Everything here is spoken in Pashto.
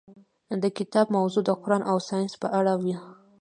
د کتاب موضوع د قرآن او ساینس په اړه وه.